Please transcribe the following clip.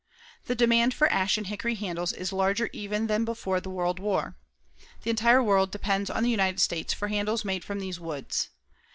The demand for ash and hickory handles is larger even than before the World War. The entire world depends on the United States for handles made from these woods.